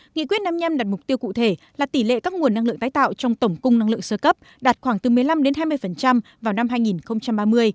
nghị quyết năm nhem đặt mục tiêu cụ thể là tỷ lệ các nguồn năng lượng tái tạo trong tổng cung năng lượng sơ cấp đạt khoảng từ một mươi năm hai mươi vào năm hai nghìn ba mươi